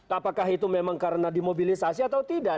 apakah itu memang karena dimobilisasi atau tidak